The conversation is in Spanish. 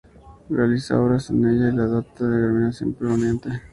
Realiza obras en ella y la dota de una guarnición permanente.